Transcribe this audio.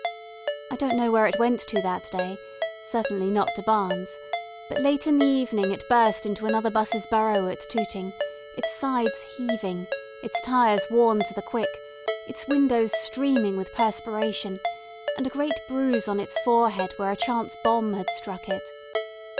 I don't know where it went to that day, certainly not to Barnes, but late in the evening it burst into another 'bus's burrow at Tooting, its sides heaving, its tyres worn to the quick, its windows streaming with perspiration, and a great bruise on its forehead where a chance bomb had struck it.